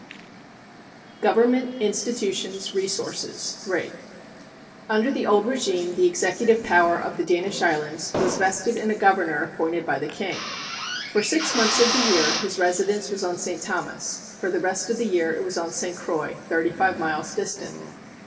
VIRGIN ISLANDS] THE VIRGIN ISLANDS Government, Institutions, Resources THREE Under the old régime the executive power of the Danish Islands was vested in a governor appointed by the king. For six months of the year his residence was on St. Thomas; for the rest of the year it was on St. Croix, thirty five miles distant.